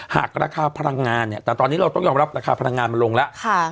หากราคาพลังงานเนี่ยแต่ตอนนี้เราต้องยอมรับราคาพลังงานมันลงแล้ว